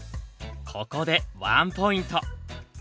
ここでワンポイント。